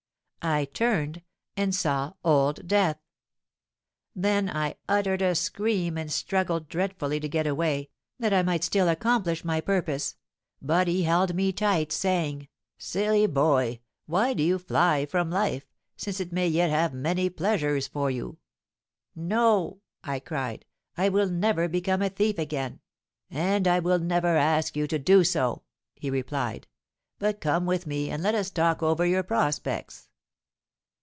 I turned—and saw Old Death! "Then I uttered a scream, and struggled dreadfully to get away, that I might still accomplish my purpose; but he held me tight, saying, 'Silly boy! why do you fly from life, since it may yet have many pleasures for you?'—'No!' I cried: 'I will never become a thief again!'—'And I will never ask you to do so,' he replied. 'But come with me, and let us talk over your prospects.'